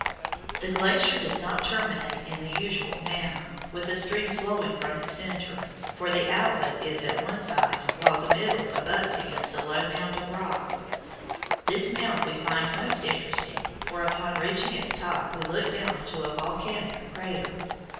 The glacier does not terminate in the usual manner, with a stream flowing from its centre, for the outlet is at one side, while the middle abuts against a low mound of rock. This mound we find most interesting, for upon reaching its top we look down into a volcanic crater.